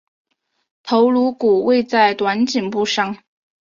头颅骨位在短颈部上。